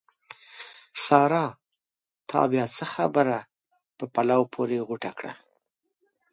سارا! تا بیا څه خبره په پلو پورې غوټه کړه؟!